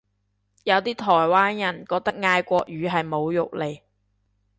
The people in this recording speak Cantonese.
有啲台灣人覺得嗌國語係侮辱嚟